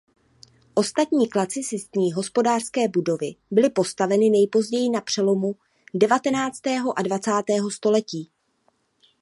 Ostatní klasicistní hospodářské budovy byly postaveny nejpozději na přelomu devatenáctého a dvacátého století.